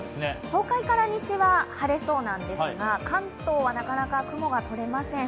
東海から西は晴れそうなんですが関東はなかなか雲が取れません。